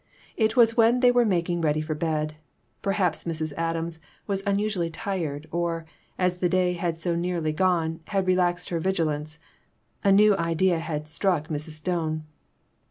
It was when they were making ready for bed. Per haps Mrs. Adams was unusually tired, or, as the day was so nearly gone, had relaxed her vigilance. A new idea had struck Mrs. Stone.